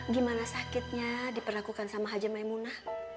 gimana sakitnya diperlakukan sama haji maimunah